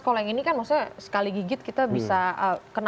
kalau yang ini kan maksudnya sekali gigit kita bisa kena